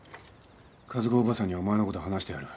和子おばさんにはお前のこと話してある。